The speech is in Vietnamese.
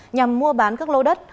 nhằm mua bán các lô đất